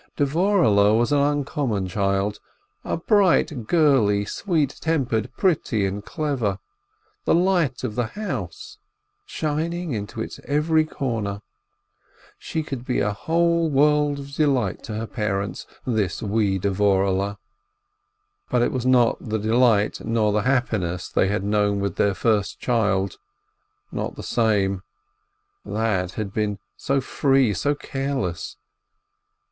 Dvorehle was an uncommon child : a bright girlie, sweet tempered, pretty, and clever, the light of the house, shining into its every corner. She could be a whole world of delight to her parents, this wee Dvorehle. But it was not the delight, not the happiness they had known with the first child, not the same. That had been so free, so careless.